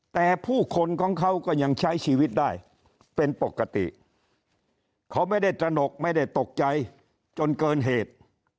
แต่ผู้คนของเขาก็ยังใช้ชีวิตได้เป็นปกติเขาไม่ได้ตระหนกไม่ได้ตกใจจนเกินเหตุ